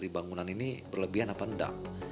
bangunan ini berlebihan atau tidak